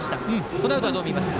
この辺りどう見ますか？